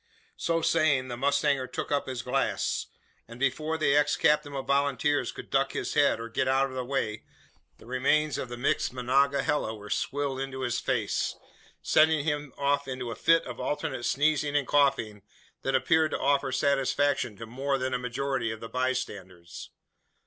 So saying, the mustanger took up his glass; and, before the ex captain of volunteers could duck his head, or get out of the way, the remains of the mixed Monongahela were "swilled" into his face, sending him off into a fit of alternate sneezing and coughing that appeared to afford satisfaction to more than a majority of the bystanders.